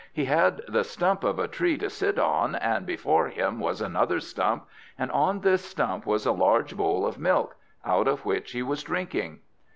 He had the stump of a tree to sit on, and before him was another stump, and on this stump was a large bowl of milk, out of which he was drinking.